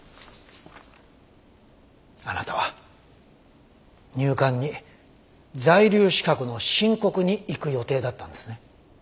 あなたは入管に在留資格の申告に行く予定だったんですね？